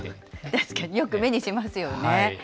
確かによく目にしますよね。